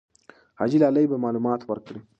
حاجي لالی به معلومات ورکړي.